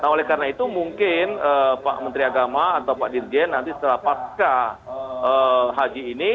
nah oleh karena itu mungkin pak menteri agama atau pak dirjen nanti setelah pasca haji ini